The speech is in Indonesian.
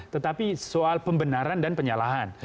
tetapi soal pembenaran dan penyalahan